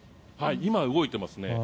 今、動いてますね。